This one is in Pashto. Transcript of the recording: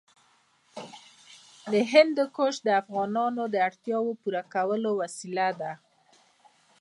هندوکش د افغانانو د اړتیاوو د پوره کولو وسیله ده.